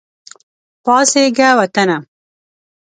پاڅیږه وطنه !